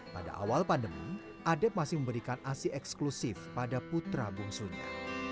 pada awal pandemi adep masih memberikan asi eksklusif pada putra bungsunya